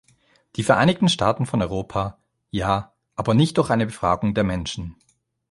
Die Vereinigten Staaten von Europa – ja, aber nicht durch eine Befragung der Menschen.